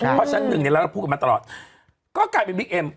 เพราะชั้น๑แล้วเราพูดมาตลอดก็กลายเป็นบิ๊กเอ็ม